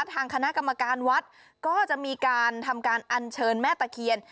ทางคณะกรรมการวัดก็จะมีการทำการอันเชิญแม่ตะเคียน